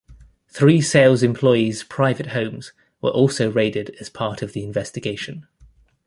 Three sales employees' private homes were also raided as part of the investigation.